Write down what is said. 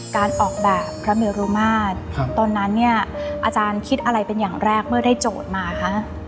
การออกแบบพระเมรุมาตรตอนนั้นเนี่ยอาจารย์คิดอะไรเป็นอย่างแรกเมื่อได้โจทย์มาคะ